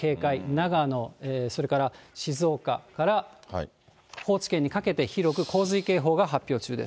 長野、それから静岡から高知県にかけて広く洪水警報が発表中です。